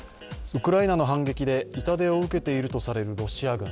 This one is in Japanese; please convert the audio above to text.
ウクライナの反撃で痛手を受けているとされている、ロシア軍。